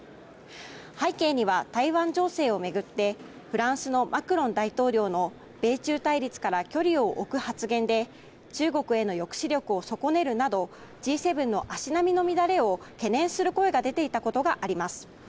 背景には台湾情勢を巡ってフランスのマクロン大統領の米中対立から距離を置く発言で中国への抑止力を損ねるなどＧ７の足並みの乱れを懸念する声が出ていたことがあります。